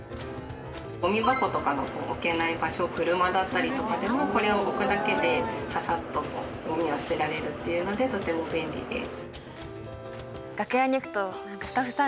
ゴミ箱とかの置けない場所車だったりとかでもこれを置くだけでササッとゴミを捨てられるっていうのでとても便利です。